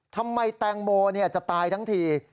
ทำไมแตงโมจะตายทั้งที